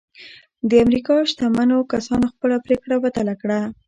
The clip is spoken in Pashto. د امريکا شتمنو کسانو خپله پرېکړه بدله کړه.